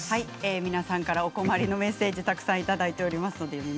皆さんからお困りのメッセージたくさんいただいています。